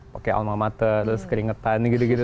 pakai almamata terus keringetan gitu gitu